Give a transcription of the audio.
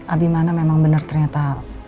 abi mana memang benar ternyata